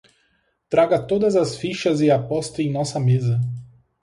Traga todas as fichas e aposte em nossa mesa